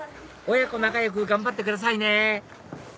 親子仲良く頑張ってくださいね